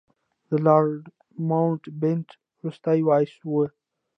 لارډ ماونټ بیټن وروستی وایسराय و.